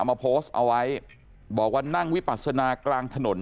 มาโพสต์เอาไว้บอกว่านั่งวิปัสนากลางถนน